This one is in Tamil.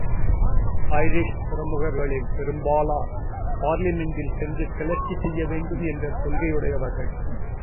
ஐரிஷ் பிரமுகர்களில் பெரும்பாலார் பார்லிமென்டில் சென்று கிளர்ச்சி செய்ய வேண்டும் என்ற கொள்கையுடையவர்கள்.